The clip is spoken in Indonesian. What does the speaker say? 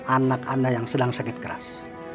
anak anda yang sedang sakit keras